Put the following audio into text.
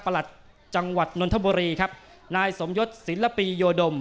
หลัดจังหวัดนนทบุรีครับนายสมยศศิลปิโยดม